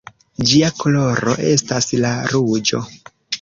Ĝia koloro estas la ruĝo.